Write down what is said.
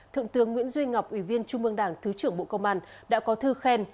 thượng tướng nguyễn duy ngọc ủy viên trung mương đảng thứ trưởng bộ công an đã có thư khen